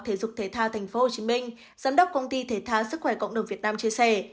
thể dục thể thao tp hcm giám đốc công ty thể thao sức khỏe cộng đồng việt nam chia sẻ